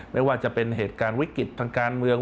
ไม่ว่าจะเป็นเหตุการณ์วิกฤตทางการเมือง